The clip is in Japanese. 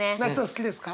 好きです。